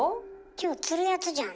今日釣るやつじゃん